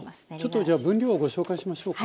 ちょっとじゃあ分量をご紹介しましょうか。